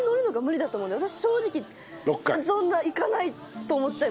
私正直そんないかないと思っちゃいます。